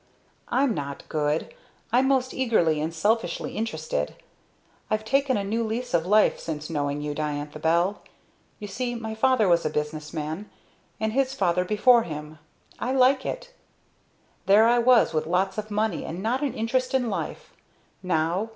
"I'm not good. I'm most eagerly and selfishly interested. I've taken a new lease of life since knowing you, Diantha Bell! You see my father was a business man, and his father before him I like it. There I was, with lots of money, and not an interest in life! Now?